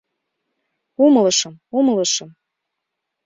— Умылышым, умылышым...